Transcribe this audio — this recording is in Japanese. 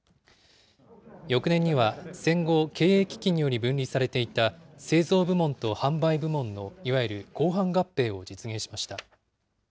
翌年には戦後、経営危機により分離されていた製造部門と販売部門のいわゆる工販合併を実現しました。